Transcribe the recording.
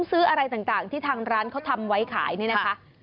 ซื้ออะไรต่างที่ทางร้านเขาทำไว้ขายนี่นะคะ